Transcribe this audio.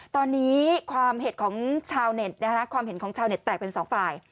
ตอนนี้ความเหตุของชาวเน็ตความเห็นของชาวเน็ตแตกเป็น๒ฝ่าย